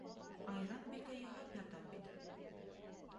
Айранбикә яһап ятам бит.